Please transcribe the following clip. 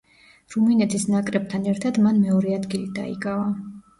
რუმინეთის ნაკრებთან ერთად მან მეორე ადგილი დაიკავა.